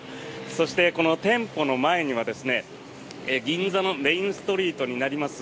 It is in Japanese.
そして、この店舗の前には銀座のメインストリートになります